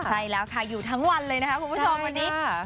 ใช่แล้วค่ะอยู่ทั้งวันเลยนะคะคุณผู้ชมวันนี้